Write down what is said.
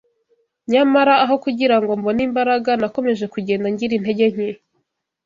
Nyamara aho kugira ngo mbone imbaraga, nakomeje kugenda ngira intege nke